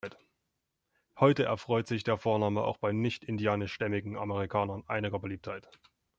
Heute erfreut sich der Vorname auch bei nicht-indianisch stämmigen Amerikanern einiger Beliebtheit.